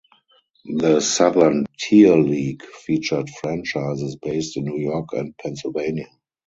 The Southern Tier League featured franchises based in New York and Pennsylvania.